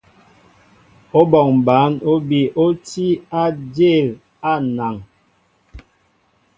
Óbɔŋ bǎn óbi ó tí á ajěl á anaŋ.